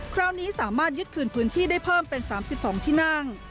คราวนี้สามารถยึดคืนพื้นที่ได้เพิ่มเป็น๓๒ที่นั่ง